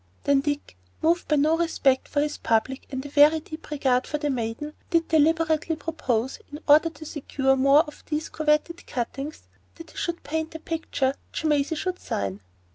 Then Dick, moved by no respect for his public and a very deep regard for the maiden, did deliberately propose, in order to secure more of these coveted cuttings, that he should paint a picture which Maisie should sign.